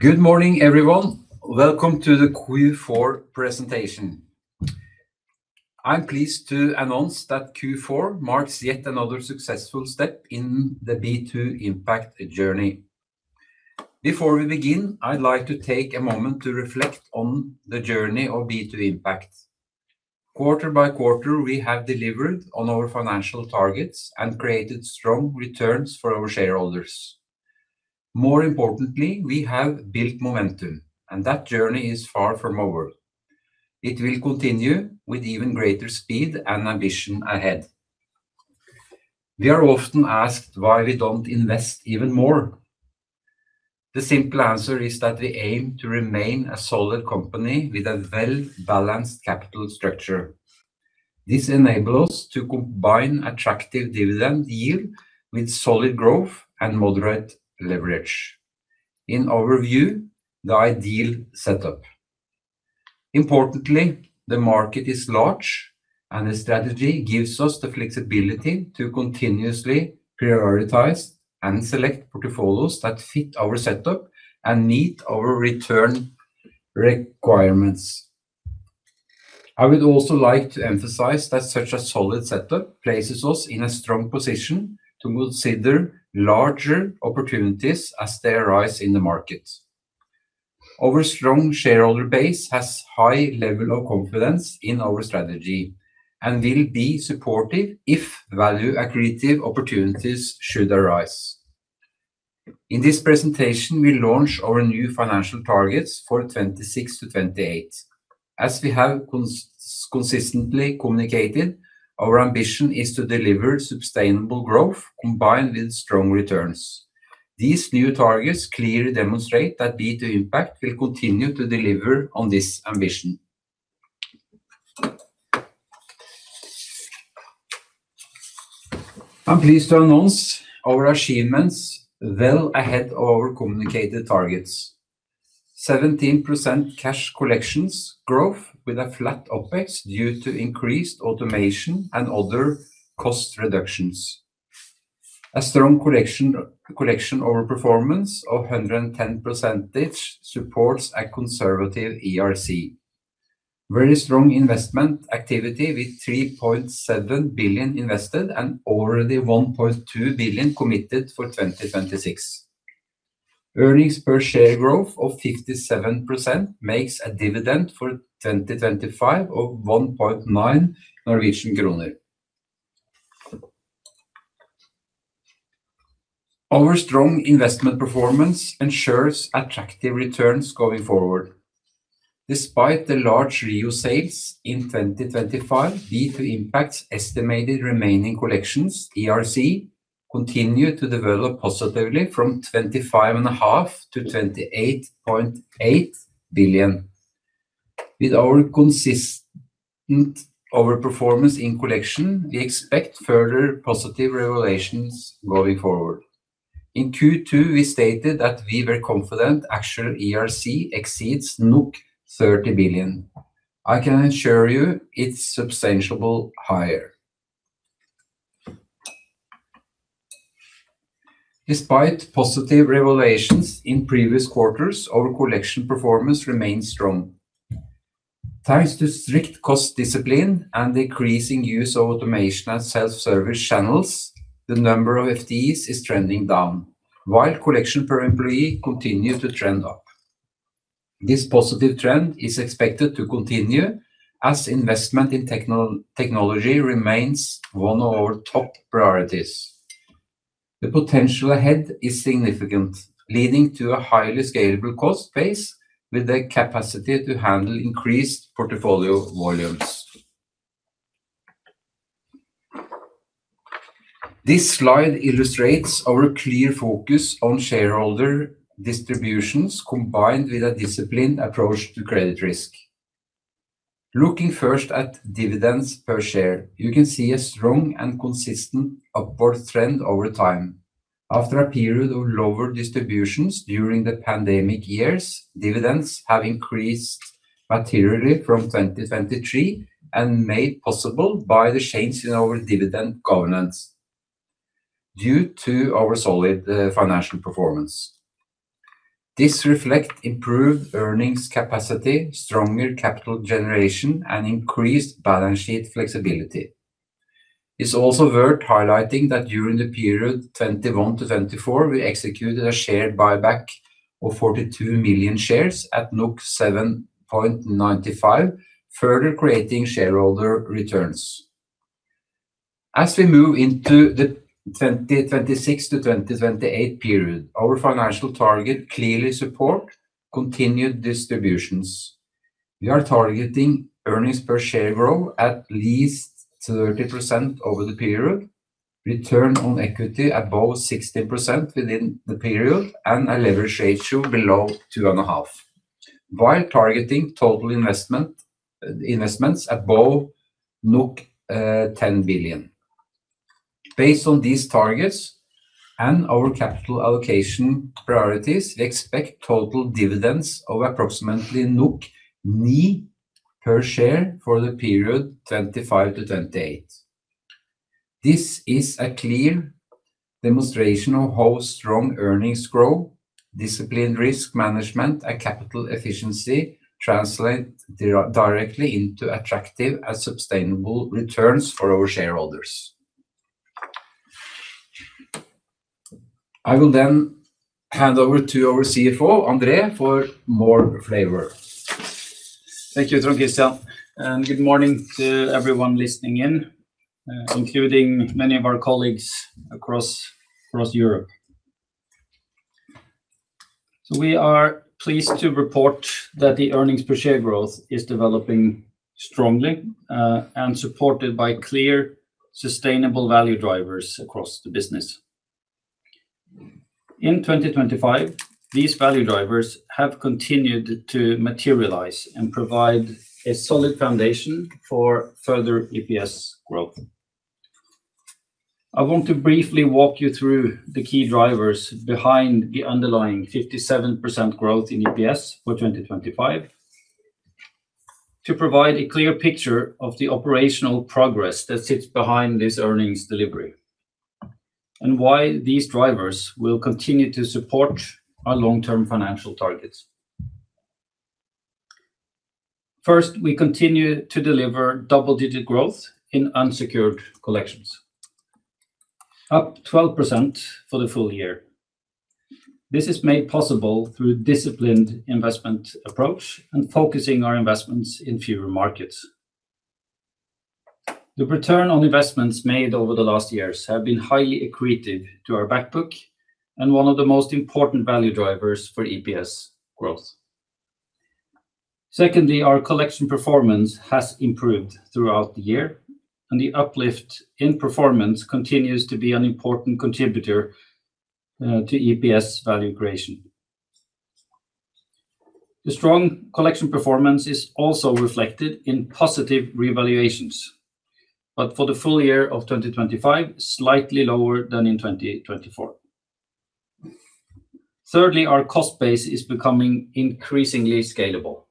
Good morning, everyone. Welcome to the Q4 presentation. I'm pleased to announce that Q4 marks yet another successful step in the B2 Impact journey. Before we begin, I'd like to take a moment to reflect on the journey of B2 Impact. Quarter by quarter, we have delivered on our financial targets and created strong returns for our shareholders. More importantly, we have built momentum, and that journey is far from over. It will continue with even greater speed and ambition ahead. We are often asked why we don't invest even more. The simple answer is that we aim to remain a solid company with a well-balanced capital structure. This enables us to combine attractive dividend yield with solid growth and moderate leverage. In our view, the ideal setup. Importantly, the market is large, and the strategy gives us the flexibility to continuously prioritize and select portfolios that fit our setup and meet our return requirements. I would also like to emphasize that such a solid setup places us in a strong position to consider larger opportunities as they arise in the market. Our strong shareholder base has high level of confidence in our strategy and will be supportive if value accretive opportunities should arise. In this presentation, we launch our new financial targets for 2026-2028. As we have consistently communicated, our ambition is to deliver sustainable growth combined with strong returns. These new targets clearly demonstrate that B2 Impact will continue to deliver on this ambition. I'm pleased to announce our achievements well ahead of our communicated targets. 17% cash collections growth with a flat OpEx due to increased automation and other cost reductions. A strong collections overperformance of 110% supports a conservative ERC. Very strong investment activity, with 3.7 billion invested and already 1.2 billion committed for 2026. Earnings per share growth of 57% makes a dividend for 2025 of 1.9 Norwegian kroner. Our strong investment performance ensures attractive returns going forward. Despite the large REO sales in 2025, B2 Impact's estimated remaining collections, ERC, continue to develop positively from 25.5 billion-28.8 billion. With our consistent overperformance in collections, we expect further positive revaluations going forward. In Q2, we stated that we were confident actual ERC exceeds 30 billion. I can assure you it's substantially higher. Despite positive revaluations in previous quarters, our collections performance remains strong. Thanks to strict cost discipline and decreasing use of automation and self-service channels, the number of FTEs is trending down, while collection per employee continue to trend up. This positive trend is expected to continue as investment in technology remains one of our top priorities. The potential ahead is significant, leading to a highly scalable cost base with the capacity to handle increased portfolio volumes. This slide illustrates our clear focus on shareholder distributions, combined with a disciplined approach to credit risk. Looking first at dividends per share, you can see a strong and consistent upward trend over time. After a period of lower distributions during the pandemic years, dividends have increased materially from 2023, and made possible by the change in our dividend governance due to our solid financial performance. This reflect improved earnings capacity, stronger capital generation, and increased balance sheet flexibility. It's also worth highlighting that during the period 2021-2024, we executed a share buyback of 42 million shares at 7.95, further creating shareholder returns. As we move into the 2026-2028 period, our financial target clearly support continued distributions. We are targeting earnings per share growth at least 30% over the period, return on equity above 60% within the period, and a leverage ratio below 2.5, while targeting total investment, investments above 10 billion. Based on these targets and our capital allocation priorities, we expect total dividends of approximately 9 per share for the period 2025-2028.... This is a clear demonstration of how strong earnings growth, disciplined risk management, and capital efficiency translate directly into attractive and sustainable returns for our shareholders. I will then hand over to our CFO, André, for more flavor. Thank you, Trond Kristian, and good morning to everyone listening in, including many of our colleagues across Europe. We are pleased to report that the earnings per share growth is developing strongly, and supported by clear, sustainable value drivers across the business. In 2025, these value drivers have continued to materialize and provide a solid foundation for further EPS growth. I want to briefly walk you through the key drivers behind the underlying 57% growth in EPS for 2025, to provide a clear picture of the operational progress that sits behind this earnings delivery, and why these drivers will continue to support our long-term financial targets. First, we continue to deliver double-digit growth in unsecured collections, up 12% for the full year. This is made possible through disciplined investment approach and focusing our investments in fewer markets. The return on investments made over the last years have been highly accretive to our back book, and one of the most important value drivers for EPS growth. Secondly, our collection performance has improved throughout the year, and the uplift in performance continues to be an important contributor to EPS value creation. The strong collection performance is also reflected in positive revaluations, but for the full year of 2025, slightly lower than in 2024. Thirdly, our cost base is becoming increasingly scalable.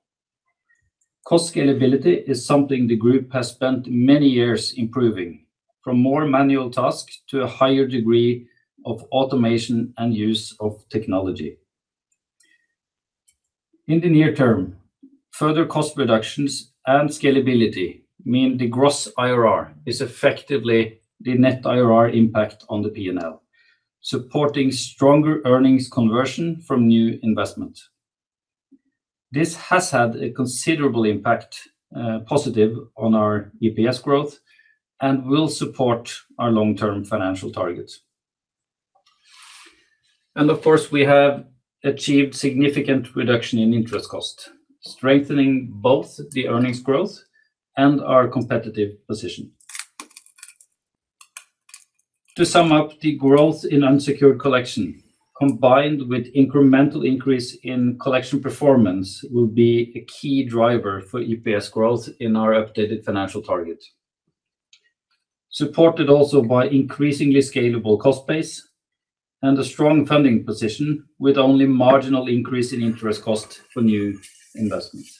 Cost scalability is something the group has spent many years improving, from more manual tasks to a higher degree of automation and use of technology. In the near term, further cost reductions and scalability mean the gross IRR is effectively the net IRR impact on the P&L, supporting stronger earnings conversion from new investment. This has had a considerable impact, positive on our EPS growth and will support our long-term financial targets. Of course, we have achieved significant reduction in interest cost, strengthening both the earnings growth and our competitive position. To sum up, the growth in unsecured collection, combined with incremental increase in collection performance, will be a key driver for EPS growth in our updated financial target. Supported also by increasingly scalable cost base and a strong funding position, with only marginal increase in interest cost for new investments.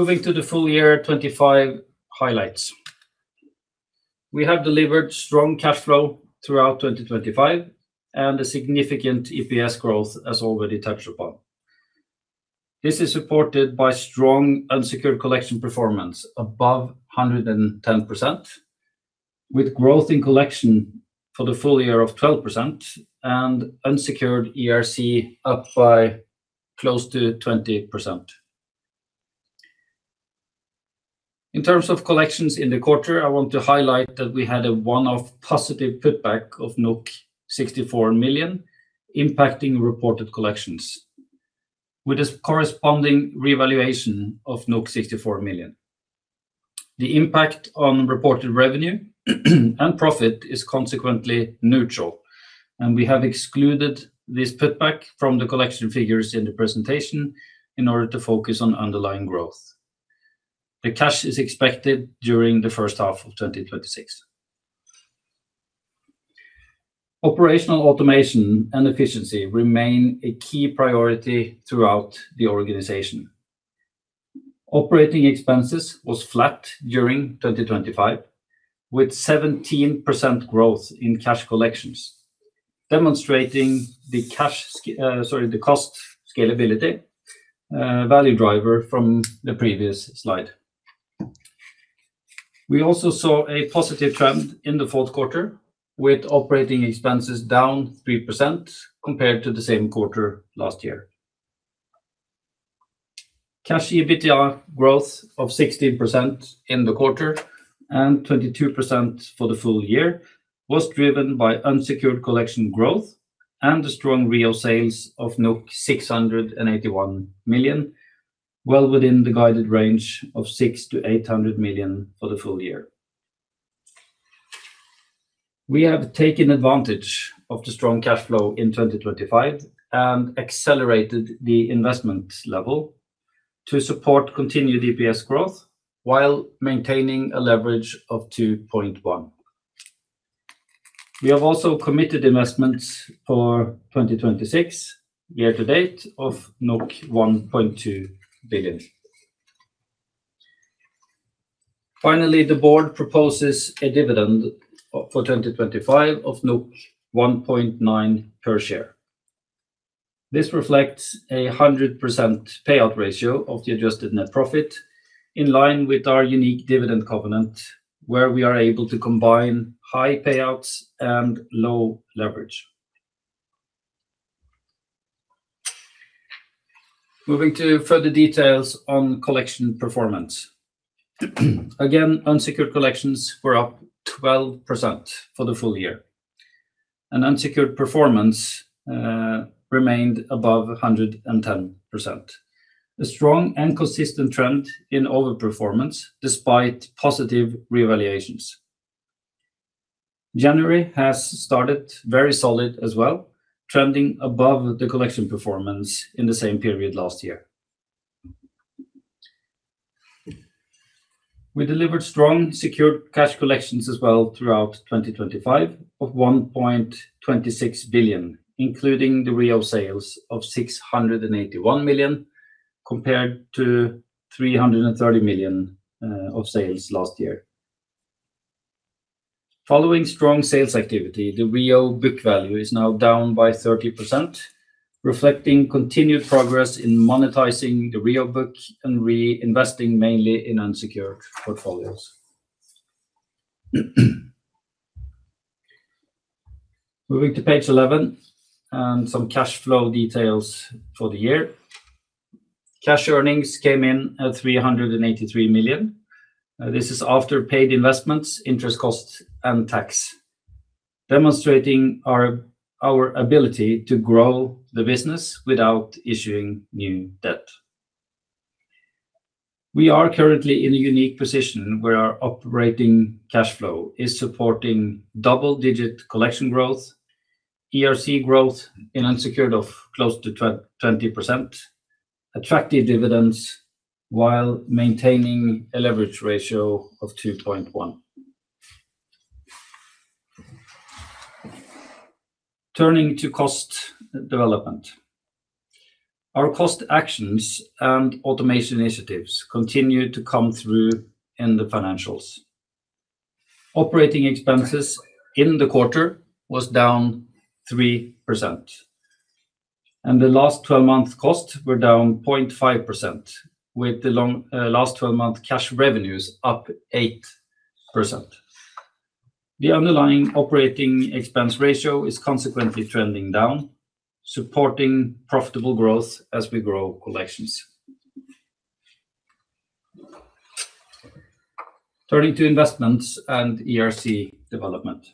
Moving to the full year 2025 highlights. We have delivered strong cash flow throughout 2025, and a significant EPS growth, as already touched upon. This is supported by strong unsecured collection performance, above 110%, with growth in collection for the full year of 12% and unsecured ERC up by close to 20%. In terms of collections in the quarter, I want to highlight that we had a one-off positive putback of 64 million impacting reported collections, with a corresponding revaluation of 64 million. The impact on reported revenue and profit is consequently neutral, and we have excluded this putback from the collection figures in the presentation in order to focus on underlying growth. The cash is expected during the first half of 2026. Operational automation and efficiency remain a key priority throughout the organization. Operating expenses was flat during 2025, with 17% growth in cash collections, demonstrating the cost scalability value driver from the previous slide. We also saw a positive trend in the fourth quarter, with operating expenses down 3% compared to the same quarter last year. Cash EBITDA growth of 16% in the quarter and 22% for the full year was driven by unsecured collections growth and a strong REO sales of 681 million, well within the guided range of 600 million-800 million for the full year. We have taken advantage of the strong cash flow in 2025 and accelerated the investment level to support continued EPS growth, while maintaining a leverage of 2.1. We have also committed investments for 2026, year to date, of 1.2 billion. Finally, the board proposes a dividend for 2025 of 1.9 per share. This reflects a 100% payout ratio of the adjusted net profit, in line with our unique dividend covenant, where we are able to combine high payouts and low leverage. Moving to further details on collection performance. Again, unsecured collections were up 12% for the full year. Unsecured performance remained above 110%. A strong and consistent trend in overperformance, despite positive reevaluations. January has started very solid as well, trending above the collection performance in the same period last year. We delivered strong secured cash collections as well throughout 2025 of 1.26 billion, including the REO sales of 681 million, compared to 330 million of sales last year. Following strong sales activity, the REO book value is now down by 30%, reflecting continued progress in monetizing the REO book and reinvesting mainly in unsecured portfolios. Moving to page 11, and some cash flow details for the year. Cash earnings came in at 383 million. This is after paid investments, interest costs, and tax, demonstrating our ability to grow the business without issuing new debt. We are currently in a unique position where our operating cash flow is supporting double-digit collection growth, ERC growth in unsecured of close to 20%, attractive dividends, while maintaining a leverage ratio of 2.1. Turning to cost development. Our cost actions and automation initiatives continue to come through in the financials. Operating expenses in the quarter was down 3%, and the last twelve-month costs were down 0.5%, with the last twelve-month cash revenues up 8%. The underlying operating expense ratio is consequently trending down, supporting profitable growth as we grow collections. Turning to investments and ERC development.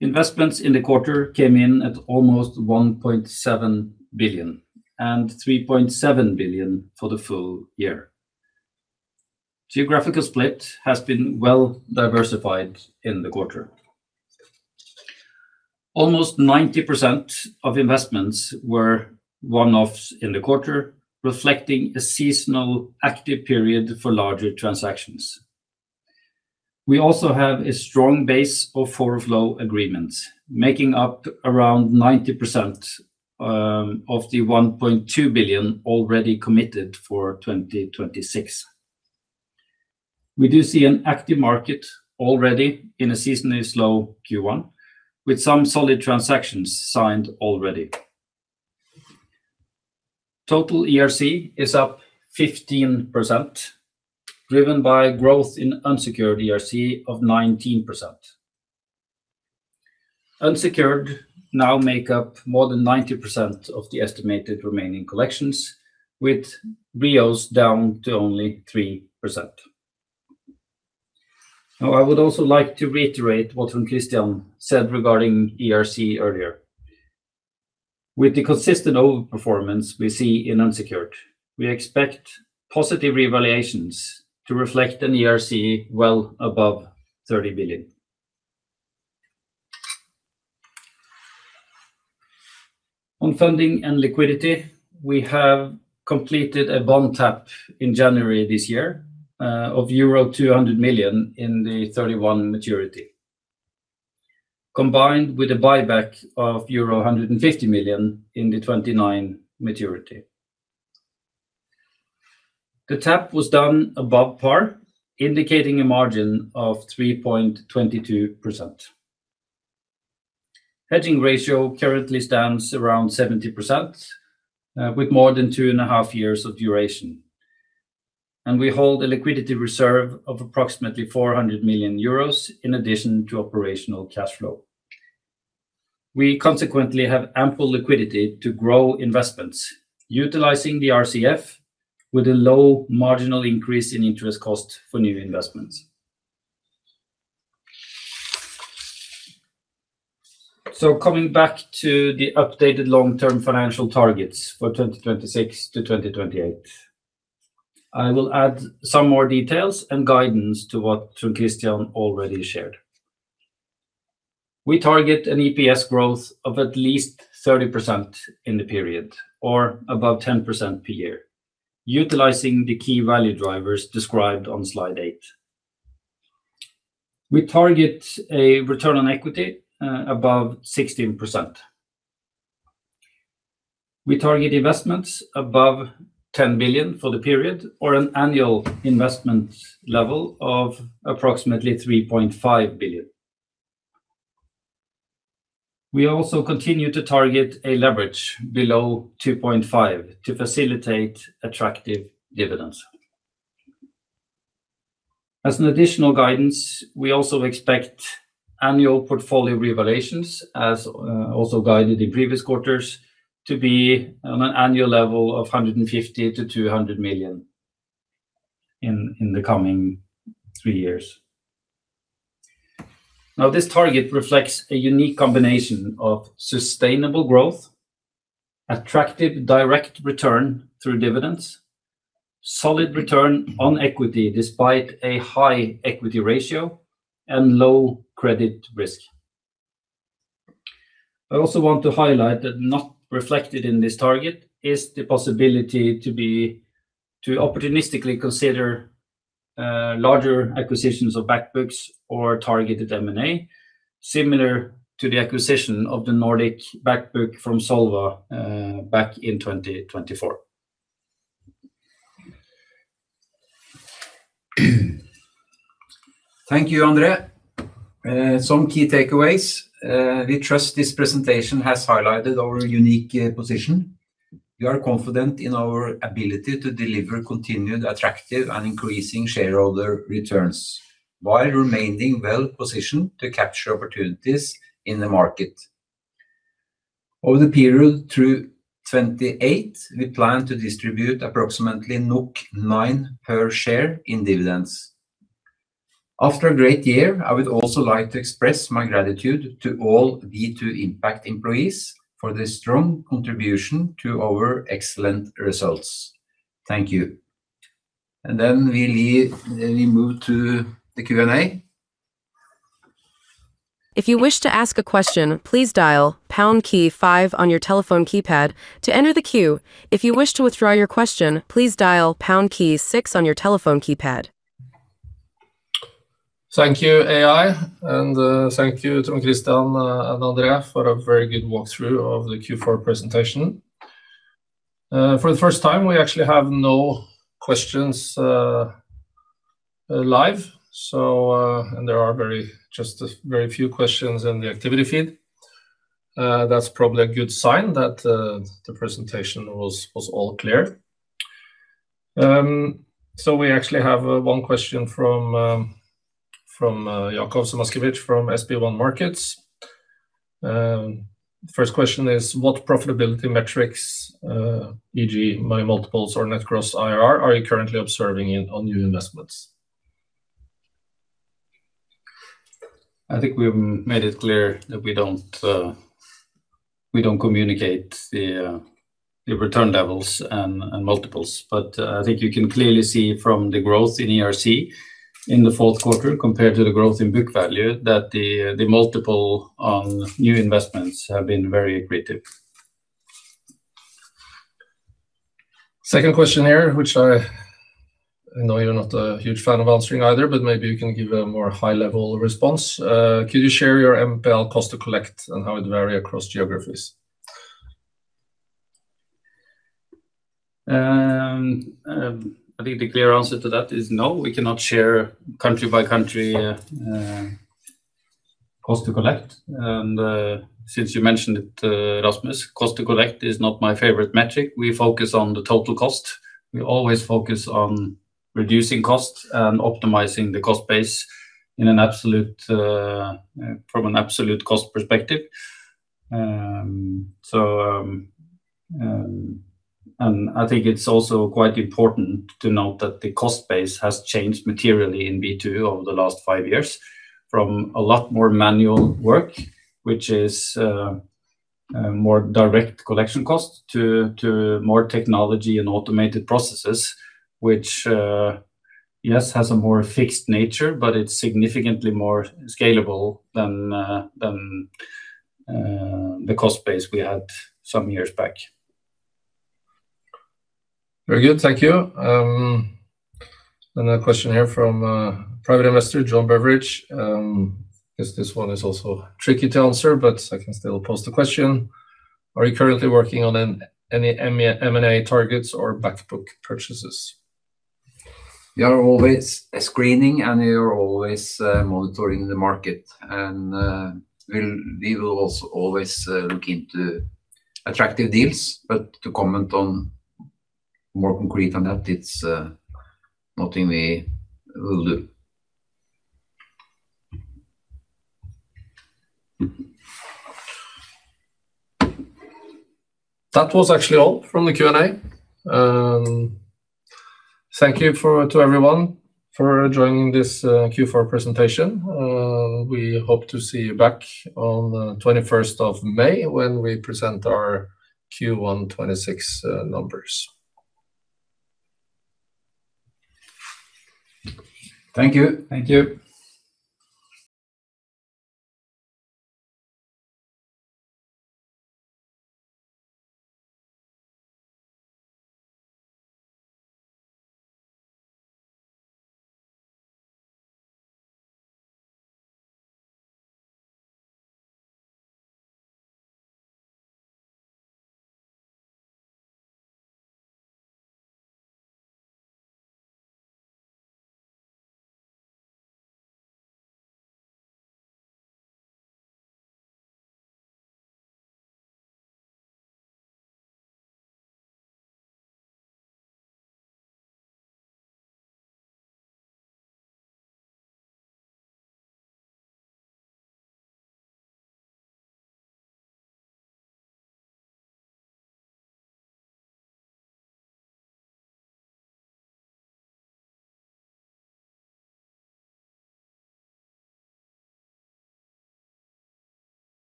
Investments in the quarter came in at almost 1.7 billion, and 3.7 billion for the full year. Geographical split has been well diversified in the quarter. Almost 90% of investments were one-offs in the quarter, reflecting a seasonal active period for larger transactions. We also have a strong base of four flow agreements, making up around 90% of the 1.2 billion already committed for 2026. We do see an active market already in a seasonally slow Q1, with some solid transactions signed already. Total ERC is up 15%, driven by growth in unsecured ERC of 19%. Unsecured now make up more than 90% of the estimated remaining collections, with REOs down to only 3%. Now, I would also like to reiterate what Christian said regarding ERC earlier. With the consistent overperformance we see in unsecured, we expect positive reevaluations to reflect an ERC well above 30 billion. On funding and liquidity, we have completed a bond tap in January this year, of euro 200 million in the 2031 maturity, combined with a buyback of euro 150 million in the 2029 maturity. The tap was done above par, indicating a margin of 3.22%. Hedging ratio currently stands around 70%, with more than 2.5 years of duration, and we hold a liquidity reserve of approximately 400 million euros in addition to operational cash flow. We consequently have ample liquidity to grow investments, utilizing the RCF with a low marginal increase in interest cost for new investments. So coming back to the updated long-term financial targets for 2026 to 2028, I will add some more details and guidance to what Christian already shared. We target an EPS growth of at least 30% in the period, or above 10% per year, utilizing the key value drivers described on slide eight. We target a return on equity above 16%. We target investments above 10 billion for the period, or an annual investment level of approximately 3.5 billion. We also continue to target a leverage below 2.5 to facilitate attractive dividends. As an additional guidance, we also expect annual portfolio reevaluations, as also guided in previous quarters, to be on an annual level of 150 million-200 million in the coming three years. Now, this target reflects a unique combination of sustainable growth, attractive direct return through dividends, solid return on equity despite a high equity ratio, and low credit risk. I also want to highlight that not reflected in this target is the possibility to opportunistically consider larger acquisitions of back books or targeted M&A, similar to the acquisition of the Nordic back book from Zolva back in 2024. Thank you, André. Some key takeaways. We trust this presentation has highlighted our unique position. We are confident in our ability to deliver continued attractive and increasing shareholder returns, while remaining well positioned to capture opportunities in the market. Over the period through 2028, we plan to distribute approximately 9 per share in dividends. After a great year, I would also like to express my gratitude to all B2 Impact employees for their strong contribution to our excellent results. Thank you. Then we move to the Q&A. If you wish to ask a question, please dial pound key five on your telephone keypad to enter the queue. If you wish to withdraw your question, please dial pound key six on your telephone keypad. Thank you, AI. And thank you, Trond Kristian and André, for a very good walkthrough of the Q4 presentation. For the first time, we actually have no questions live, so there are just a very few questions in the activity feed. That's probably a good sign that the presentation was all clear. So we actually have one question from Jakov Semaskevic from SpareBank 1 Markets. First question is: What profitability metrics, e.g., money multiples or net gross IRR, are you currently observing in on new investments? I think we've made it clear that we don't, we don't communicate the, the return levels and multiples. But, I think you can clearly see from the growth in ERC in the fourth quarter compared to the growth in book value, that the multiple on new investments have been very attractive. Second question here, which I know you're not a huge fan of answering either, but maybe you can give a more high-level response. Could you share your NPL cost to collect and how it vary across geographies? I think the clear answer to that is no, we cannot share country-by-country cost to collect. Since you mentioned it, Rasmus, cost to collect is not my favorite metric. We focus on the total cost. We always focus on reducing costs and optimizing the cost base in an absolute from an absolute cost perspective. I think it's also quite important to note that the cost base has changed materially in B2 over the last five years, from a lot more manual work, which is a more direct collection cost, to more technology and automated processes, which yes has a more fixed nature, but it's significantly more scalable than the cost base we had some years back. Very good. Thank you. Another question here from private investor, John Beveridge. Guess this one is also tricky to answer, but I can still pose the question. Are you currently working on any M&A targets or back book purchases? We are always screening, and we are always monitoring the market. We will also always look into attractive deals, but to comment on more concrete than that, it's nothing we will do. That was actually all from the Q&A. Thank you to everyone for joining this Q4 presentation. We hope to see you back on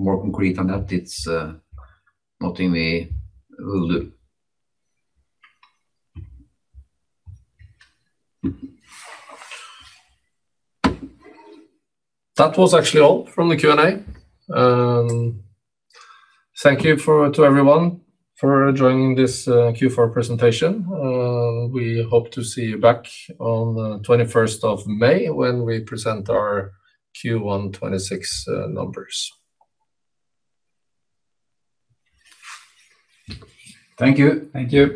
21st of May when we present our Q1 2026 numbers. Thank you. Thank you.